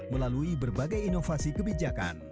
melalui berbagai inovasi kebijakan